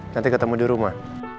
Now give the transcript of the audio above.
nanti ketemu di rumah